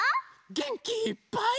げんきいっぱい。